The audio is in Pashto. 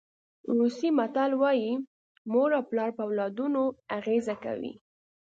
روسي متل وایي مور او پلار په اولادونو اغېزه کوي.